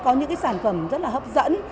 có những sản phẩm rất là hấp dẫn